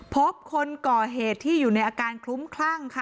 คนก่อเหตุที่อยู่ในอาการคลุ้มคลั่งค่ะ